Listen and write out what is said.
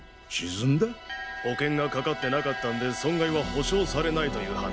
保険がかかってなかったんで損害は補償されないという話だ。